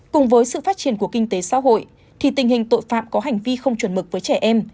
cùng với sự phát triển của kinh tế xã hội thì tình hình tội phạm có hành vi không chuẩn mực với trẻ em